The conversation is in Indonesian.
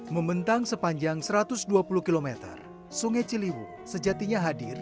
sampai jumpa di video selanjutnya